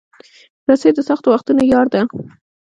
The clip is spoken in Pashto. رسۍ د سختو وختونو یار ده.